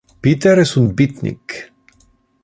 Peter es un beatnik.